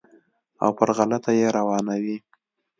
او پر غلطه یې روانوي.